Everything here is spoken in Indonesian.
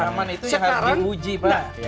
aman itu yang harus diuji pak